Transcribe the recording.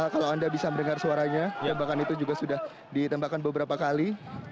kalau anda bisa mendengar suaranya tembakan itu juga sudah ditembakkan beberapa kali